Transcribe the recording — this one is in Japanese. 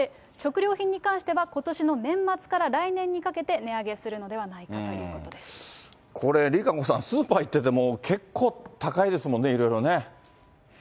食料品に関しては、ことしの年末から来年にかけて値上げするのではないかということこれ、ＲＩＫＡＣＯさん、スーパー行ってても、結構高いですもんね、いろいろね。